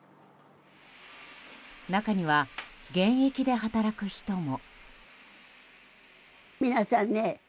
中には、現役で働く人も。